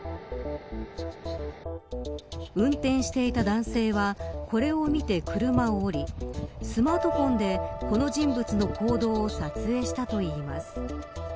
運転していた男性は、これを見て車を降り、スマートフォンでこの人物の行動を撮影したといいます。